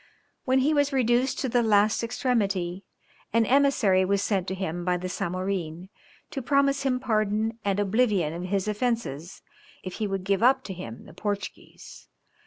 When he was reduced to the last extremity, an emissary was sent to him by the Zamorin, to promise him pardon and oblivion of his offences if he would give up to him the Portuguese.